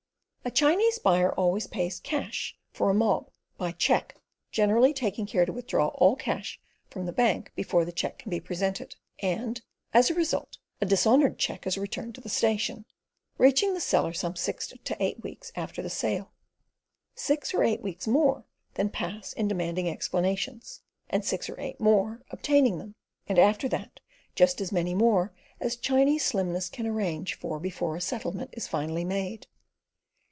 A Chinese buyer always pays "cash" for a mob—by cheque—generally taking care to withdraw all cash from the bank before the cheque can be presented, and, as a result, a dishonoured cheque is returned to the station, reaching the seller some six or eight weeks after the sale. Six or eight weeks more then pass in demanding explanations, and six or eight more obtaining them, and after that just as many more as Chinese slimness can arrange for before a settlement is finally made.